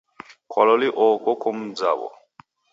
Kwa loli oho ko mumzaw'o.